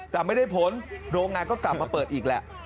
แต่ไม่ได้ผลโรงงานก็กลับมาเปิดอีกแหละ